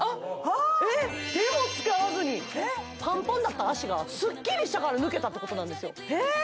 手も使わずにパンパンだった脚がスッキリしたから抜けたってことなんですよええ！